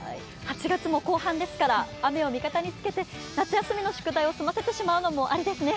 ８月も後半ですが雨を味方につけて夏休みの宿題を済ませてしまうのも、ありですね。